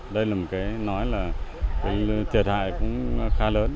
đây là một cái nói là thiệt hại cũng khá lớn